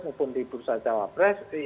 maupun di perusahaan jawa press